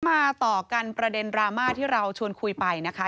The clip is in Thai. มาต่อกันประเด็นดราม่าที่เราชวนคุยไปนะคะ